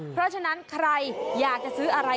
เพราะฉะนั้นใครอยากจะซื้ออะไร